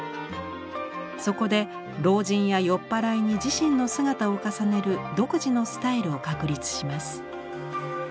そこで老人や酔っ払いに自身の姿を重ねる独自のスタイルを確立します。